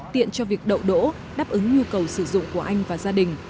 tiện cho việc đậu đỗ đáp ứng nhu cầu sử dụng của anh và gia đình